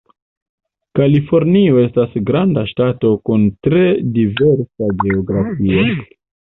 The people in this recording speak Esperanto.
Kalifornio estas granda ŝtato kun tre diversa geografio.